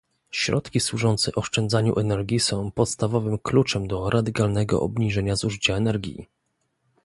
Środki służące oszczędzaniu energii są podstawowym kluczem do radykalnego obniżenia zużycia energii